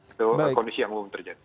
itu kondisi yang umum terjadi